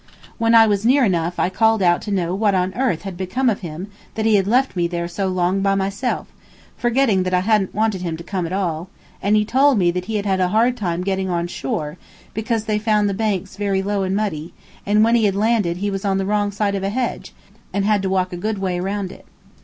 When I was near enough I called out to know what on earth had become of him that he had left me there so long by myself, forgetting that I hadn't wanted him to come at all; and he told me that he had had a hard time getting on shore, because they found the banks very low and muddy, and when he had landed he was on the wrong side of a hedge, and had to walk a good way around it.